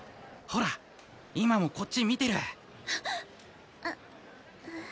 ほら今もこっち見てる。